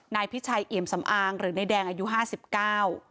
นายพิชัยเอี่ยมสำอางหรือนายแดงอายุห้าสิบเก้า